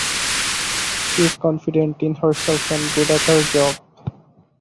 She is confident in herself and good at her job.